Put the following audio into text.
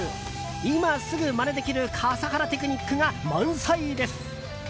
今すぐまねできる笠原テクニックが満載です。